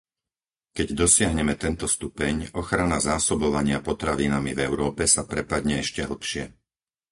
Keď dosiahneme tento stupeň, ochrana zásobovania potravinami v Európe sa prepadne ešte hlbšie.